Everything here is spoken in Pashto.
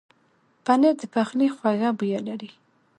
پنېر د پخلي خوږه بویه لري.